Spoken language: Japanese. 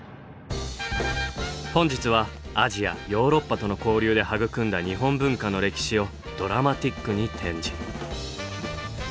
本日はアジアヨーロッパとの交流で育んだ日本文化の歴史をドラマティックに展示。